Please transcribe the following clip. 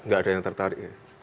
nggak ada yang tertarik ya